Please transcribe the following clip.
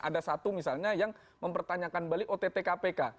ada satu misalnya yang mempertanyakan balik ottkpk